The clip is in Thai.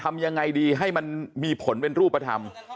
ทำยังไงดีให้มันมีผลเป็นรูปธรรม